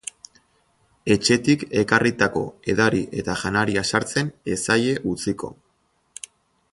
Etxetik ekarritako edari eta janaria sartzen ez zaie utziko.